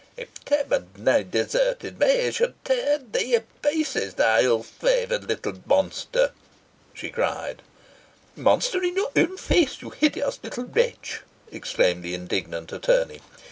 "If Tib had na deserted me he should tear thee i' pieces, thou ill favourt little monster," she cried. "Monster in your own face, you hideous little wretch," exclaimed the indignant attorney.